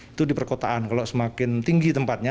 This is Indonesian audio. itu di perkotaan kalau semakin tinggi tempatnya